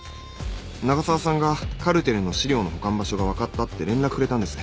長澤さんがカルテルの資料の保管場所が分かったって連絡くれたんです。